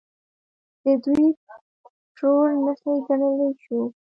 د دوی ټرور نښې ګڼلی شو.